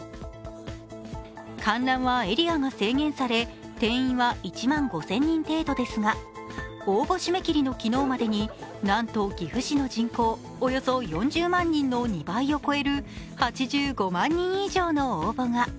観覧はエリアが制限され、定員は１万５０００人程度ですが応募締め切りの昨日までに、なんと岐阜市の人口およそ４０万人の２倍を超える８５万人以上の応募が。